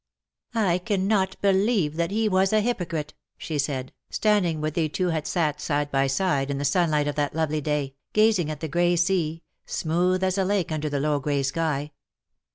" I cannot believe that he was a hypocrite,^^ she said, standing where they two had sat side by side in the sunlight of that lovely day, gazing at the grey sea, smooth as a lake under the low grey sky.